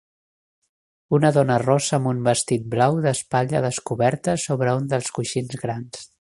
Una dona rosa amb un vestit blau d'espatlla descoberta sobre un dels coixins grans.